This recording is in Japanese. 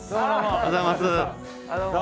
おはようございます！